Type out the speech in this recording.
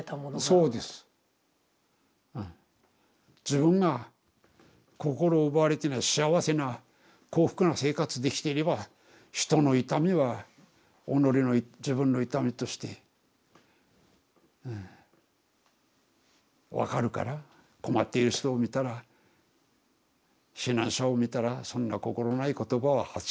自分が心を奪われてない幸せな幸福な生活できていれば人の痛みは己の自分の痛みとしてうん分かるから困っている人を見たら避難者を見たらそんな心ない言葉は発しない。